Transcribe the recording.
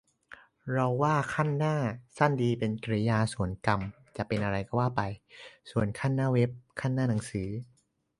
เราว่า "คั่นหน้า" สั้นดี เป็นกริยา ส่วนกรรมจะเป็นอะไรก็ว่าไป คั่นหน้าเว็บ คั่นหน้าหนังสือ